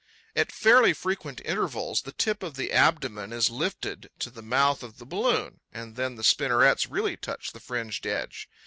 At fairly frequent intervals, the tip of the abdomen is lifted to the mouth of the balloon; and then the spinnerets really touch the fringed edge.